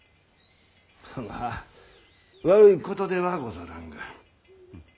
まあ悪いことではござらんが。